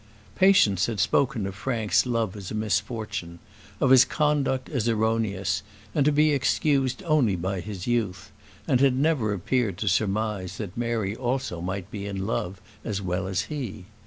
Patience had spoken of Frank's love as a misfortune, of his conduct as erroneous, and to be excused only by his youth, and had never appeared to surmise that Mary also might be in love as well as he.